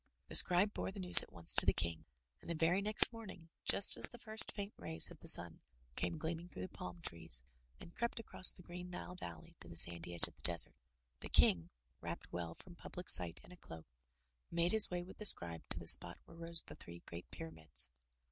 '' The Scribe bore the news at once to the King, and the very next morning, just as the first faint rays of the sun came gleam 265 MY BOOK HOUSE ing through the palm trees, and crept across the green Nile val ley to the sandy edge of the desert, the King, wrapped well from public sight in a cloak, made his way with the Scribe to the spot where rose the three great pyramids.